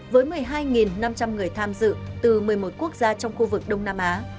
với một mươi hai năm trăm linh người tham dự từ một mươi một quốc gia trong khu vực đông nam á